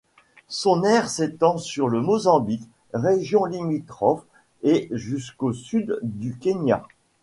Son aire s'étend sur le Mozambique, régions limitrophes et jusqu'au sud du Kenya.